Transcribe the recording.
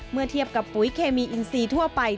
เมื่อเทียบกับปุ๋ยเคมีอินซีทั่วไป